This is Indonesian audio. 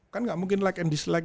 kan nggak mungkin like and dislike